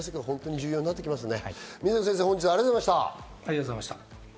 水野先生、本日はありがとうございました。